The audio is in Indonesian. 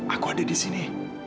aku ada di sini